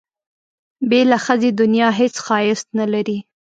بې له ښځې دنیا هېڅ ښایست نه لري.